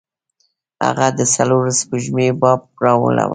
هغه د څلورو سپوږمیو باب راواړوه.